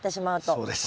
そうです。